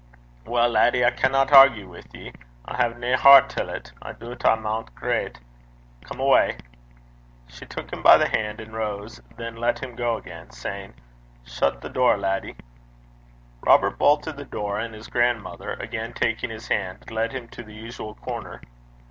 'Weel, laddie, I canna argue wi' ye. I hae nae hert til 't. I doobt I maun greit! Come awa'.' She took him by the hand and rose, then let him go again, saying, 'Sneck the door, laddie.' Robert bolted the door, and his grandmother again taking his hand, led him to the usual corner.